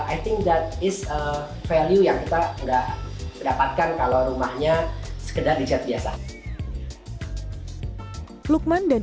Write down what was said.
i think that is a value yang kita udah dapatkan kalau rumahnya sekedar dijatuh biasa lukman dan